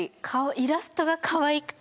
イラストがかわいくて。